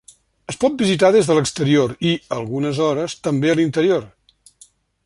Es pot visitar des de l'exterior i, algunes hores, també a l'interior.